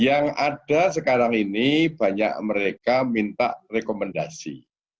yang ada sekarang ini banyak mereka minta rekomendasi